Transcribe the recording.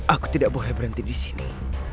aku tidak boleh berhenti di sini